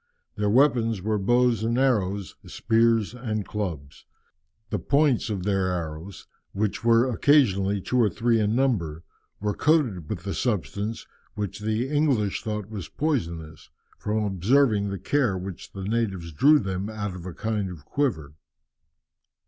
Their weapons were bows and arrows, spears and clubs. The points of their arrows, which were occasionally two or three in number, were coated with a substance which the English thought was poisonous, from observing the care with which the natives drew them out of a kind of quiver.